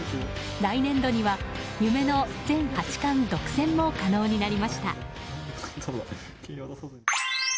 来年度には、夢の全八冠独占も可能になりました。